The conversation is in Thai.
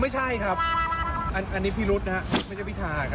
ชายมาแล้ว